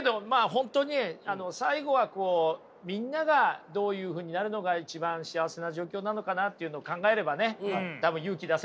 本当に最後はみんながどういうふうになるのが一番幸せな状況なのかなっていうのを考えればね多分勇気出せると思います。